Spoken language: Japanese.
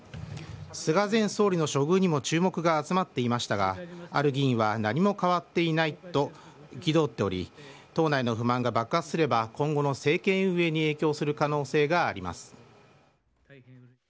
菅前総理の処遇にも注目が集まっていましたがある議員は何も変わっていないと憤っており党内の不満が爆発すれば今後の政権運営に影響する可能性があります。